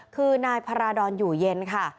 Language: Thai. คือนายพระราดรอยู่เย็นค่ะ